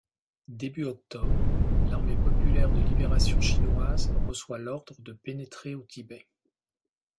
Début octobre, l'Armée populaire de libération chinoise reçoit l'ordre de pénétrer au Tibet.